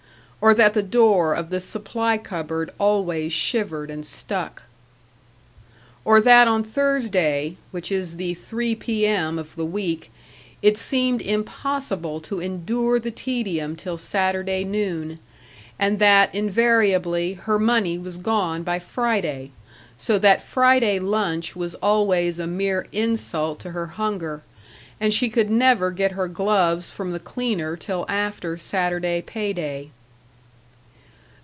Or that the door of the supply cupboard always shivered and stuck. Or that on Thursday, which is the three P.M. of the week, it seemed impossible to endure the tedium till Saturday noon; and that, invariably, her money was gone by Friday, so that Friday lunch was always a mere insult to her hunger, and she could never get her gloves from the cleaner till after Saturday pay day.